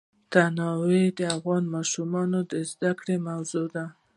تنوع د افغان ماشومانو د زده کړې موضوع ده.